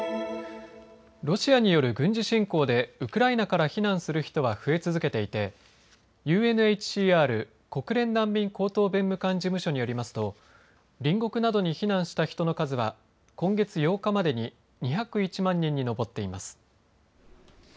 ロシアによる軍事侵攻でウクライナから避難する人は増え続けていてＵＮＨＣＲ・国連難民高等弁務官事務所によりますと隣国などに避難した人の数は今月８日までに２０１万人に上っています。